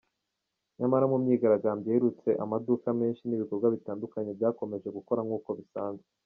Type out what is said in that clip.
Nyamara mu myigaragambyo iherutse amaduka menshi n’ibikorwa bitandukanye byakomeje gukora nk’uko bisanzwe.